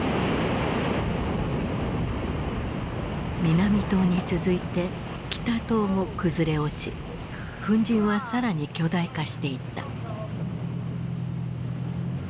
南棟に続いて北棟も崩れ落ち粉じんは更に巨大化していった。